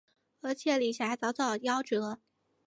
而且李遐早早夭折。